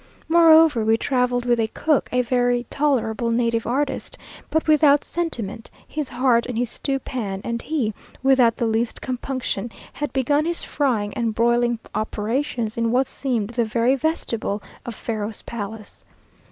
Moreover we travelled with a cook, a very tolerable native artist, but without sentiment his heart in his stew pan; and he, without the least compunction, had begun his frying and broiling operations in what seemed the very vestibule of Pharaoh's palace.